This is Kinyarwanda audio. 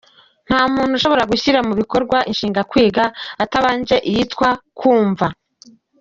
Nta muntu ushobora gushyira mu bikorwa inshinga “Kwiga” atabanje iyitwa “kumva”.